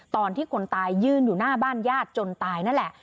ตอนที่คนตายยืนอยู่หน้าบ้านญาติจนตายนั่นแหละ